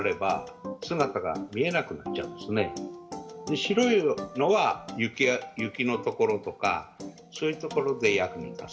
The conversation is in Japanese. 白いのは雪の所とかそういう所で役に立つ。